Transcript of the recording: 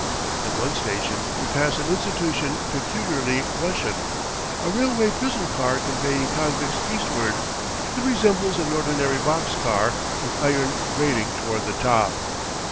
At one station we pass an institution peculiarly Russian a railway prison car conveying convicts eastward. It resembles an ordinary box car, with iron grating toward the top.